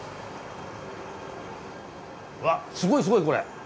うわすごいすごいこれ。